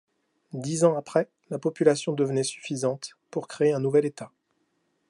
Dix ans après, la population devenait suffisante pour créer un nouvel État.